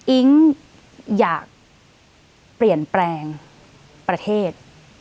อิ๊งอยากเปลี่ยนแปลงประเทศ